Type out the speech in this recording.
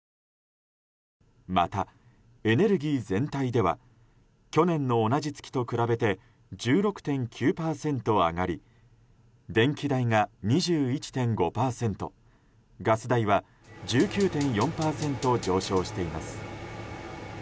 また、エネルギー全体では去年の同じ月と比べて１６．９％上がり電気代が２１．５％ガス代は１９．４％上昇しています。